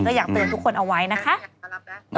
ก็อยากเตือนทุกคนเอาไว้นะคะ